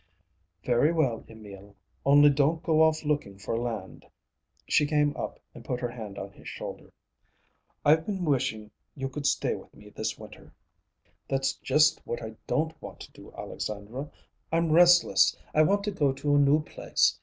"Very well, Emil. Only don't go off looking for land." She came up and put her hand on his shoulder. "I've been wishing you could stay with me this winter." "That's just what I don't want to do, Alexandra. I'm restless. I want to go to a new place.